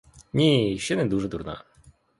Ні, ще не дуже дурна.